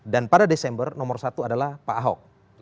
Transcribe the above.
dan pada desember nomor satu adalah pak ahok